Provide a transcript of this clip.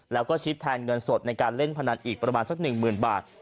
แล้วก็ชิดแทนเงินสดในการเล่นพนันอีกประมาณสัก๑๐๐๐บาท